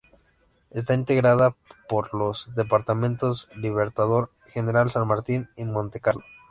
Está integrada por los departamentos de Libertador General San Martín y Montecarlo.